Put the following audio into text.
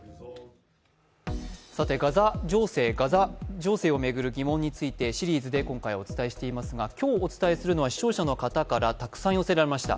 さて、ガザ情勢を巡る疑問についてお伝えしていますが今日お伝えするのは視聴者の方からたくさん寄せられました